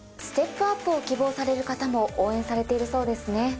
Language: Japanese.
ステップアップを希望される方も応援されているそうですね。